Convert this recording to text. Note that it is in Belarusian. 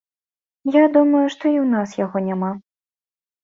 Я думаю, што і ў нас яго няма.